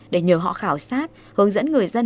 để nhờ họ khảo sát hướng dẫn người dân